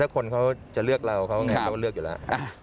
แต่ว่าคนเค้าจะเลือกเราเค้าก็เลือกอยู่แล้ว